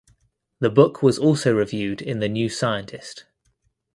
The book was also reviewed in the "New Scientist".